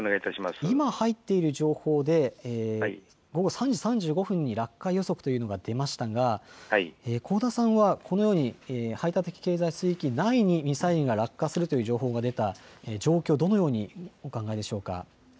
今入っている情報で午後３時３５分に落下予測というのが出ましたが、香田さんはこのように排他的経済水域内にミサイルが落下するという情報が出た状況、どのようにお考えでしょうか。